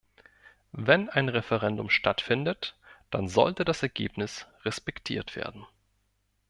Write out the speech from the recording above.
Wenn ein Referendum stattfindet, dann sollte das Ergebnis respektiert werden.